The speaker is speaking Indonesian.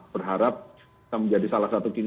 berharap menjadi salah satu kini